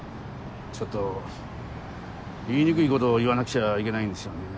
ちょっと言いにくいことを言わなくちゃいけないんですよね。